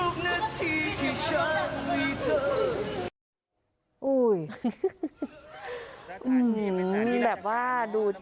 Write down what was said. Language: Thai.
เข้ามาเข้ามา